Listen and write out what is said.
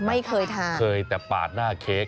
ไม่เคยทาน